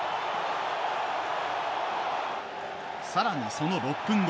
さらに、その６分後。